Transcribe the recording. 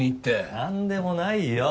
なんでもないよ！